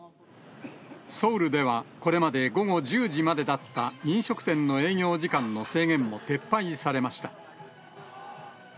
ソウルでは、これまで午後１０時までだった、飲食店の営業時間の制限も撤廃されました。